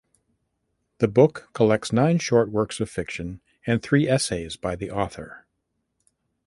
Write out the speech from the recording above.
The book collects nine short works of fiction and three essays by the author.